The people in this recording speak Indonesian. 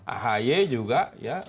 ahy juga ya